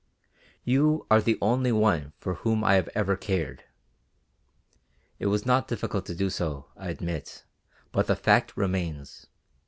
You are the only one for whom I have ever cared. It was not difficult to do so, I admit, but the fact remains.